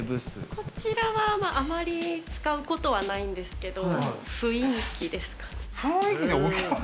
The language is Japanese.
こちらは、あまり使うことはないんですけど、雰囲気です。